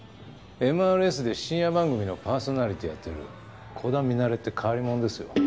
ＭＲＳで深夜番組のパーソナリティーやってる鼓田ミナレって変わりもんですよ。